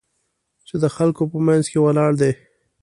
چې د خلکو په منځ کې ولاړ دی.